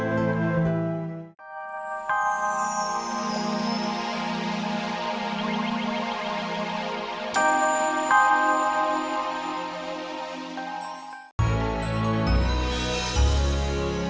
aku akan menanggung dia